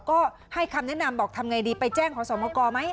ก็ให้คำแนะนำบอกทำไงดีไปแจ้งขอสมกรไหม